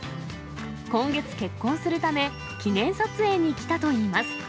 今月、結婚するため、記念撮影に来たといいます。